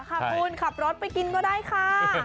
ขอบคุณขับรถไปกินก็ได้ค่ะ